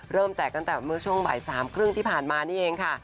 เริ่มแจกตั้งแต่เมื่อช่วงบ่ายสามครึ่งที่ผ่านมานี่เองค่ะ